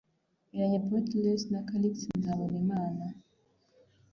Mpiranya Protais na Callixte Nzabonimana